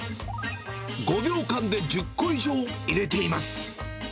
５秒間で１０個以上入れています。